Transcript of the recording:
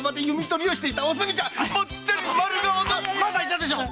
まだいたでしょ。